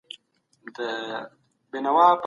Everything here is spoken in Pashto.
د احتکار پايلي خورا خطرناکي دي.